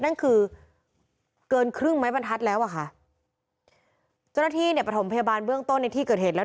นั่นคือเกินครึ่งไม้บรรทัศน์แล้วอ่ะค่ะเจ้าหน้าที่เนี่ยประถมพยาบาลเบื้องต้นในที่เกิดเหตุแล้ว